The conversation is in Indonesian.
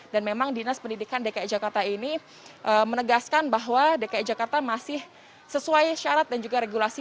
dan memang dinas pendidikan dki jakarta ini menegaskan bahwa dki jakarta masih sesuai syarat dan juga regulasi